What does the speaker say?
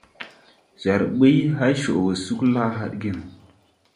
Jar ɓuy hay coʼ suugi la hadge no.